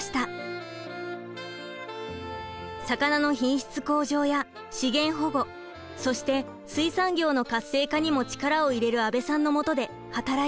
「魚の品質向上や資源保護そして水産業の活性化にも力を入れる阿部さんのもとで働いてみたい」。